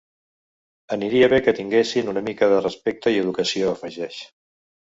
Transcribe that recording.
Aniria bé que tinguessin una mica de respecte i educació, afegeix.